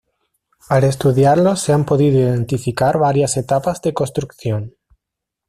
Al estudiarlos se han podido identificar varias etapas de construcción.